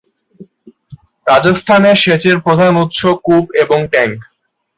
রাজস্থানে সেচের প্রধান উৎস কূপ এবং ট্যাংক।